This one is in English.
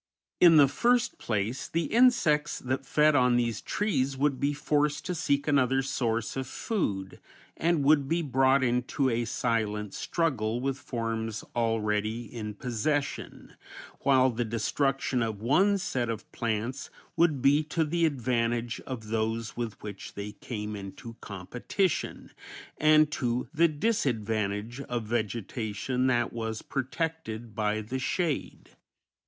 In the first place, the insects that fed on these trees would be forced to seek another source of food and would be brought into a silent struggle with forms already in possession, while the destruction of one set of plants would be to the advantage of those with which they came into competition and to the disadvantage of vegetation that was protected by the shade.